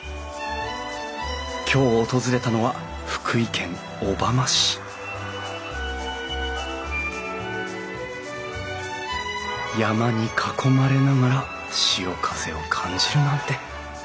今日訪れたのは福井県小浜市山に囲まれながら潮風を感じるなんて。